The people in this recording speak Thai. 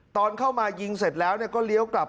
ตอนเข้ามายิงเสร็จแล้วก็เลี้ยวกลับ